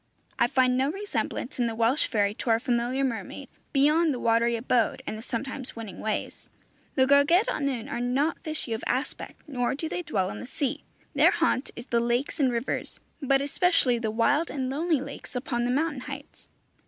I find no resemblance in the Welsh fairy to our familiar mermaid, beyond the watery abode, and the sometimes winning ways. The Gwragedd Annwn are not fishy of aspect, nor do they dwell in the sea. Their haunt is the lakes and rivers, but especially the wild and lonely lakes upon the mountain heights.